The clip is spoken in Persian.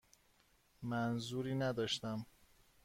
منظوری نداشتم.